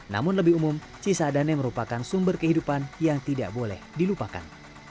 namun lebih umum cisadane merupakan sumber kehidupan yang tidak boleh dilupakan